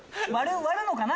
割るのかな？